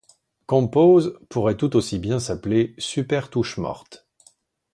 Compose pourrait tout aussi bien s’appeler “super touche morte”.